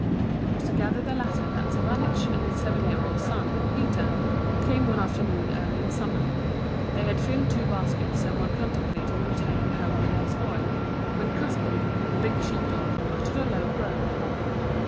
It was to gather the latter that Savanich and his seven year old son, Peter, came one afternoon early in summer. They had filled two baskets and were contemplating returning home with their spoil, when Caspan, the big sheepdog, uttered a low growl.